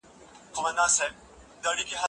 مقاله د استاد لخوا کتل سوي ده.